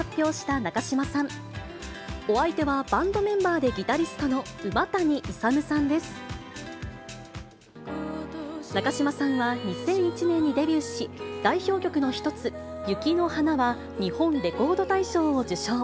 中島さんは２００１年にデビューし、代表曲の一つ、雪の華は、日本レコード大賞を受賞。